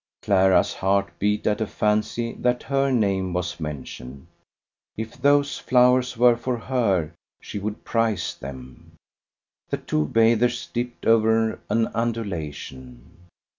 Clara's heart beat at a fancy that her name was mentioned. If those flowers were for her she would prize them. The two bathers dipped over an undulation.